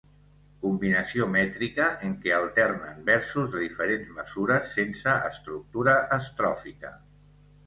Combinació mètrica en què alternen versos de diferents mesures, sense estructura estròfica.